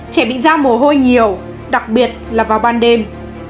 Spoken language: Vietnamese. trẻ bị da mồ hôi nhiều đặc biệt là vào ban đêm